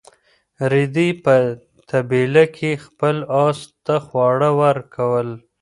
رېدي په طبیله کې خپل اس ته خواړه ورکول.